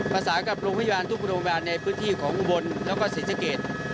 ประสานกับโรงพยาบาลทุกโรงพยาบาลในพื้นที่ของอุบลแล้วก็ศรีสะเกด